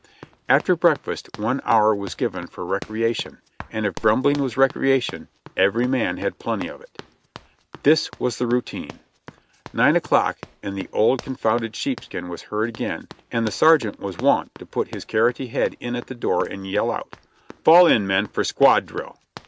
After breakfast one hour was given for recreation, and if grum bling was recreation, every man had plenty of it. This was the routine : Nine o'clock, and the "old confounded sheepskin" was heard again and the sergeant was wont to put his carrotty head in at the door and yell out : "Fall in, men, for squad drill